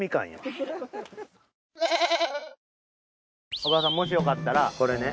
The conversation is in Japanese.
お母さんもしよかったらこれね